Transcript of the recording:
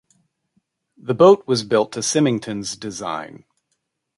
The boat was built to Symington's design.